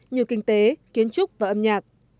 như kinh tế kiến trúc và âm nhạc